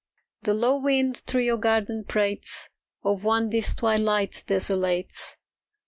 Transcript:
The low wind through your garden prates Of one this twilight desolates.